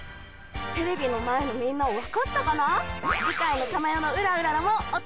テレビのまえのみんなわかったかな？